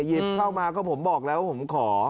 หยิบเข้ามาก็ผมบอกแล้วผมขอ